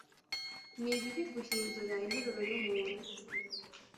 nibibi guhindura interuro yumuntu